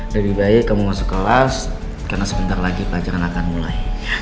lebih baik kamu masuk kelas karena sebentar lagi pelajaran akan mulai